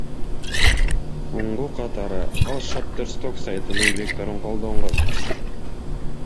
Уңгу катары ал Шаттерсток сайтынын векторун колдонгон.